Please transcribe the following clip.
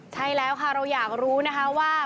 ใช่แล้วค่ะเราอยากรู้นะคะว่า